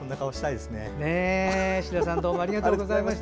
志田さんありがとうございました。